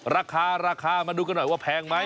ราคาราคามาดูกันหน่อยว่าแพงไหม